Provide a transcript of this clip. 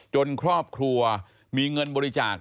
ครอบครัวมีเงินบริจาค